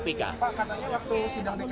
pak karena waktu sidang dkd